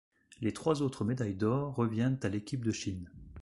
Les trois autres médailles d'or reviennent à l'équipe de Chine.